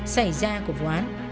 xảy ra của vụ án